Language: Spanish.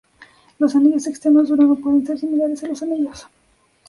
Los anillos externos de Urano pueden ser similares a los anillos.